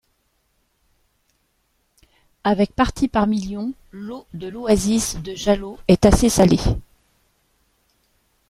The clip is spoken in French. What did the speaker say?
Avec parties par million, l'eau de l'oasis de Jalo est assez salée.